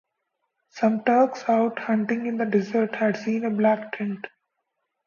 Some Turks out hunting in the desert had seen a black tent.